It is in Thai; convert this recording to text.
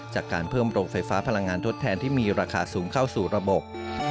จากการเพิ่มโรงไฟฟ้าพลังงานทดแทนที่มีราคาสูงเข้าสู่ระบบ